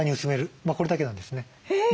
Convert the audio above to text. これだけなんですね。